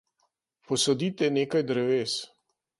Posadite nekaj dreves.